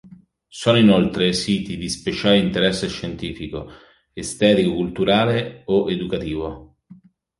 Sono inoltre siti di speciale interesse scientifico, estetico culturale o educativo.